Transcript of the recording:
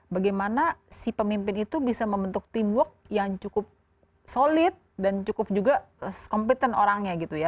bagaimana si pemimpin itu bisa membentuk teamwork yang cukup solid dan cukup juga kompeten orangnya gitu ya